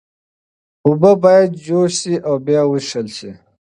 اوبه باید جوش شي او بیا وڅښل شي.